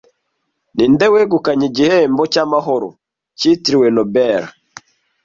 Ninde wegukanye igihembo cyamahoro cyitiriwe Nobel